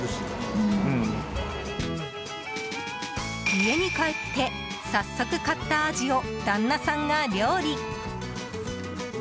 家に帰って早速、買ったアジを旦那さんが料理。